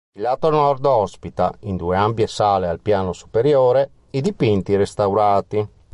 Il lato Nord ospita, in due ampie sale al piano superiore, i dipinti restaurati.